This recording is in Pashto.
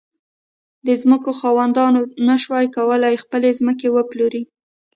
د ځمکو خاوندانو نه شوای کولای خپلې ځمکې وپلوري.